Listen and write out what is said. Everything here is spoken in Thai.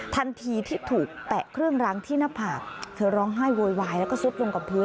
ทันทีที่ถูกแปะเครื่องร้างที่หน้าผากเธอร้องไห้โวยวายแล้วก็ซุดลงกับพื้น